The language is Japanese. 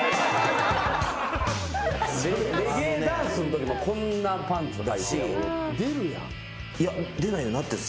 レゲエダンスのときもこんなパンツはいて。